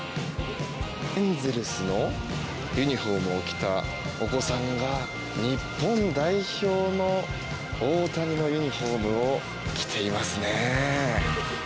エンゼルスのユニホームを着たお子さんが日本代表の大谷のユニホームを着ていますね。